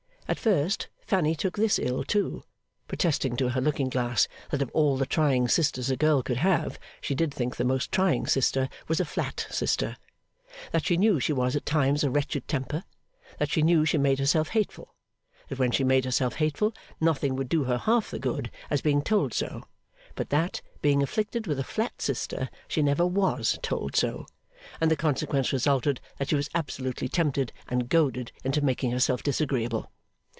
At first, Fanny took this ill, too; protesting to her looking glass, that of all the trying sisters a girl could have, she did think the most trying sister was a flat sister. That she knew she was at times a wretched temper; that she knew she made herself hateful; that when she made herself hateful, nothing would do her half the good as being told so; but that, being afflicted with a flat sister, she never was told so, and the consequence resulted that she was absolutely tempted and goaded into making herself disagreeable.